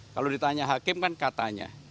kalau ditanya hakim kan katanya